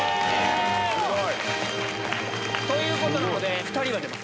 すごい！ということなので２人は出ます。